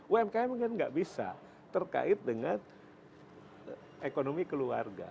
umkm kan nggak bisa terkait dengan ekonomi keluarga